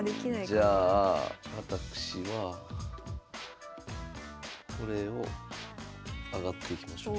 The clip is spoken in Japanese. じゃあ私はこれを上がっていきましょう。